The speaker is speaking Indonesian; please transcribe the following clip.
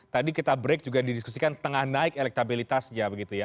tadi kita break juga didiskusikan tengah naik elektabilitasnya begitu ya